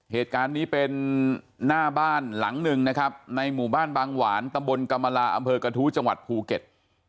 เหตุการณ์นี้เป็นหน้าบ้านหลังหนึ่งนะครับในหมู่บ้านบางหวานตำบลกรรมลาอำเภอกระทู้จังหวัดภูเก็ต